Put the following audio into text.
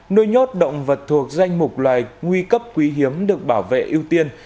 nôi nhốt động vật thuộc danh một loài nguy cấp quý hiếm được bảo vệ ưu tiên